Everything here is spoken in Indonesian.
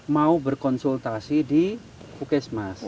mau berkonsultasi di pukis mas